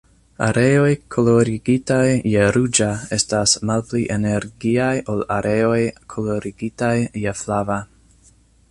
Areoj kolorigitaj je ruĝa estas malpli energiaj ol areoj kolorigitaj je flava.